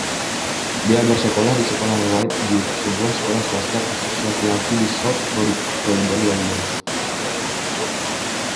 Dia bersekolah di Sekolah Whitgift, sebuah sekolah swasta khusus laki-laki di South Croydon, London.